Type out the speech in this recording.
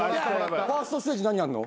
ファーストステージ何やるの？